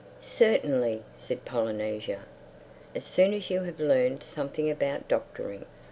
"Certainly," said Polynesia—"as soon as you have learned something about doctoring.